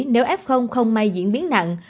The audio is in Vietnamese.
nếu f không may diễn biến nặng